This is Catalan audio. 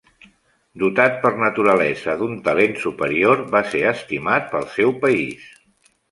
Dotat per naturalesa d'un talent superior, va ser estimat pel seu país.